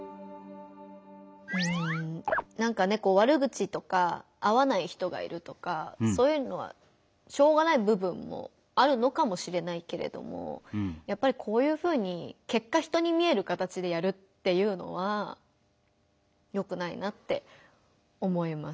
うんなんかね悪口とか合わない人がいるとかそういうのはしょうがない部分もあるのかもしれないけれどもやっぱりこういうふうに結果人に見える形でやるっていうのはよくないなって思います。